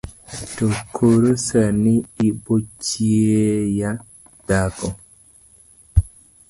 to koro sani ibochweya dhako